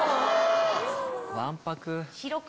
わんぱく！